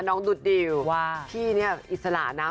น้องดุดิวพี่นี่อิสระนะ